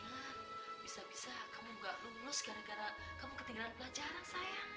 nah bisa bisa kamu gak lulus gara gara kamu ketinggalan pelajaran saya